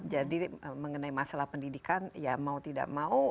jadi mengenai masalah pendidikan ya mau tidak mau